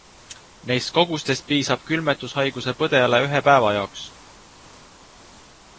Neist kogustest piisab külmetushaiguse põdejale ühe päeva jaoks.